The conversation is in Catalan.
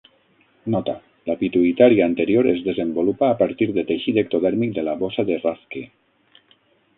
Nota: La pituïtària anterior es desenvolupa a partir de teixit ectodèrmic de la bossa de Rathke.